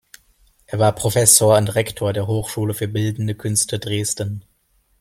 Er war Professor und Rektor der Hochschule für Bildende Künste Dresden.